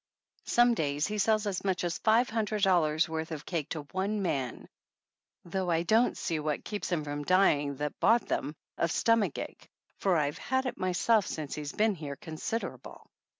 Some days he sells as much as five hundred dollars worth of cake to one man, though I don't see what keeps him from dying that bought them of stomach ache, for I've had it myself since he's been here consider able.